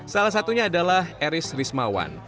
salah satunya adalah eris rismawan